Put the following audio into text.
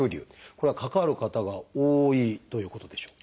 これはかかる方が多いということでしょうか？